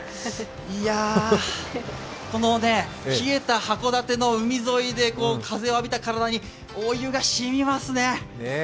いやぁこの冷えた函館の海沿いで風を浴びた体にお湯がしみますね。